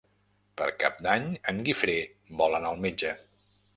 Per Cap d'Any en Guifré vol anar al metge.